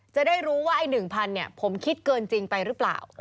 จะได้รู้ว่าไอ้๑๐๐เนี่ยผมคิดเกินจริงไปหรือเปล่า